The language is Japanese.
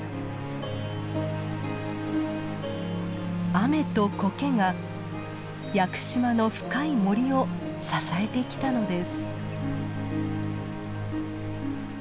雨とコケが屋久島の深い森を支えてきたのです。